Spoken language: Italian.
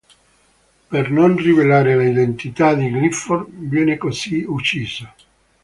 Per non rivelare l'identità di Gifford, viene così ucciso.